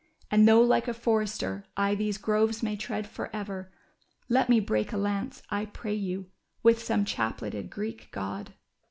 And, though like a forester I these groves may tread forever. Let me break a lance, I pray you, with some chapleted Greek god